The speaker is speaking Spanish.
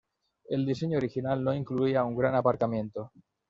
El diseño original no incluía un gran aparcamiento.